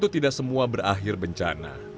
tidak semua berakhir bencana